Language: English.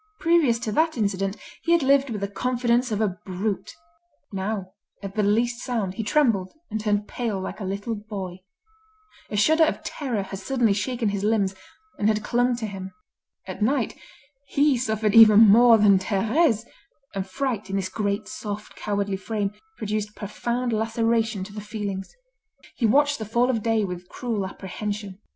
Previous to that incident he had lived with the confidence of a brute; now, at the least sound, he trembled and turned pale like a little boy. A shudder of terror had suddenly shaken his limbs, and had clung to him. At night, he suffered even more than Thérèse; and fright, in this great, soft, cowardly frame, produced profound laceration to the feelings. He watched the fall of day with cruel apprehension.